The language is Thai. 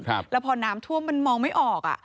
แล้วพอน้ำท่วมมันมองไม่ออกอ่ะ